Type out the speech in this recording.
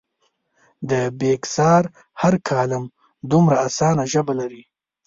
د بېکسیار هر کالم دومره اسانه ژبه لري.